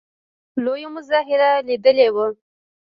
لویه مظاهره لیدلې وه.